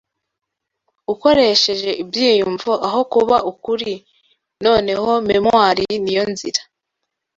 ukoresheje ibyiyumvo aho kuba ukuri, noneho memoire niyo nzira